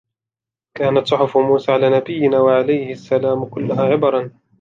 كَانَتْ صُحُفُ مُوسَى عَلَى نَبِيِّنَا وَعَلَيْهِ السَّلَامُ كُلُّهَا عِبَرًا